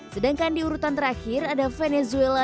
sedangkan di urutan terakhir ada venezuela